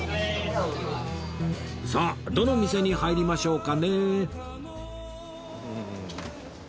さあどの店に入りましょうかねえ